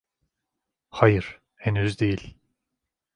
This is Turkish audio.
Hayır, henüz değil.